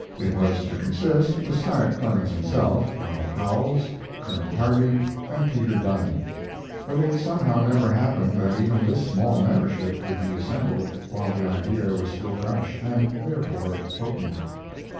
It was to consist, beside Clemens himself, of Howells, Colonel Harvey, and Peter Dunne; but it somehow never happened that even this small membership could be assembled while the idea was still fresh, and therefore potent.